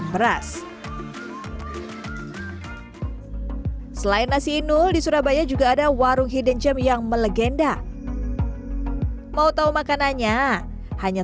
beras selain nasi inul di surabaya juga ada warung hidden gem yang melegenda mau tahu makanannya hanya